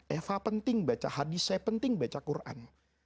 eva penting baca hadis saya penting baca quran